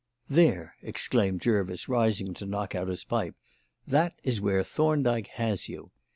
"There!" exclaimed Jervis, rising to knock out his pipe, "that is where Thorndyke has you.